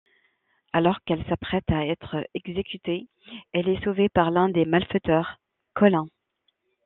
Alors qu'elle s'apprête à être exécutée, elle est sauvée par l'un des malfaiteurs, Colin.